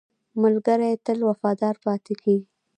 ملګری تل وفادار پاتې کېږي